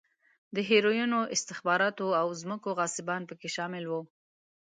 د هیروینو، استخباراتو او ځمکو غاصبان په کې شامل و.